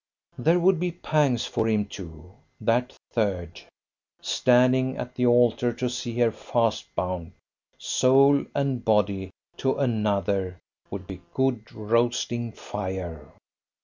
There would be pangs for him too, that Third! Standing at the altar to see her fast bound, soul and body, to another, would be good roasting fire.